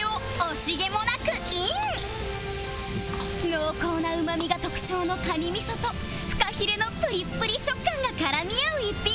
濃厚なうまみが特徴のカニ味噌とフカヒレのプリップリ食感が絡み合う逸品です